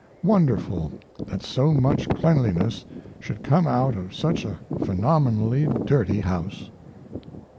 Wonderful that so much cleanliness should come out of such a phenomenally dirty house.